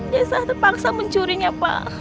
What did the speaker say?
dia terpaksa mencurinya pak